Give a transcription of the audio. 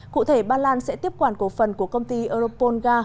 cụ thể ba lan sẽ tiếp quản cổ phần của công ty europol ga